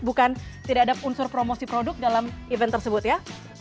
bukan tidak ada unsur promosi produk dalam event tersebut ya